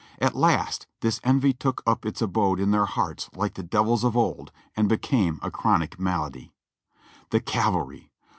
At last this envy took up its abode in their hearts like the devils of old, and became a chronic malady. The cavalry!